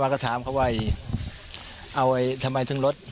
ก็ถามเขาว่าเอาทำไมถึงลด